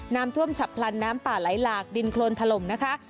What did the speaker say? น้ำท่วมฉับพลันน้ำป่าไหลหลากดินโครนถล่มนะคะ